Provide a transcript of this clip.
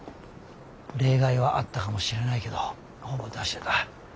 例外はあったかもしれないけどほぼ出してた。